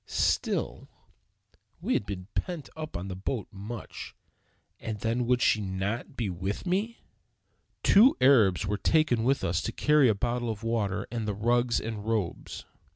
Still, we had been pent up in the boat much; and then would not she be with me? Two Arabs were taken with us to carry a bottle of water and the rugs and robes.